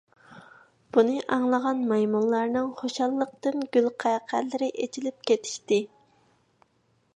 بۇنى ئاڭلىغان مايمۇنلارنىڭ خۇشاللىقتىن گۈلقەقەلىرى ئېچىلىپ كېتىشتى.